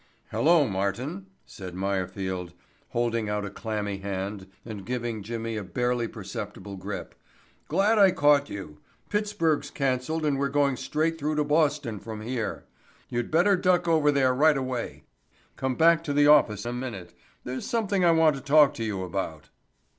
"Hello, Martin," said Meyerfield, holding out a clammy hand and giving Jimmy a barely perceptible grip. "Glad I caught you. Pittsburg's cancelled and we're going straight through to Boston from here. You'd better duck over there right away. Come back to the office a minute. There's something I want to talk to you about."